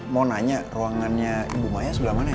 mau nanya ruangannya ibu maya sebelah mana ya